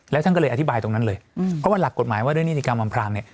แล้วท่านก็เลยอธิบายตรงนั้นเลยเพราะว่าหลักกฎหมายว่าด้วยนิติกรรมอำพรางเนี่ย